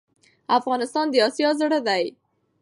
افغانستان دي اسيا زړه ده